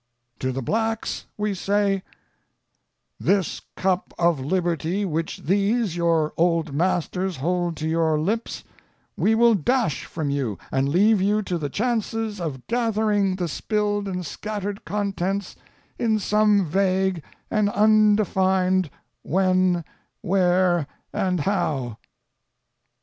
To the blacks we say "This cup of liberty which these, your old masters, hold to your lips, we will dash from you, and leave you to the chances of gathering the spilled and scattered contents in some vague and undefined when, where, and how."